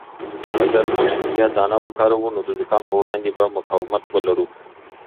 اگر موږ سیاه دانه وکاروو نو د زکام په وړاندې به مقاومت ولرو.